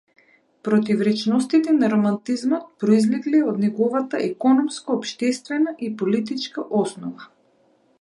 Противречностите на романтизмот произлегле од неговата економско-општествена и политичка основа.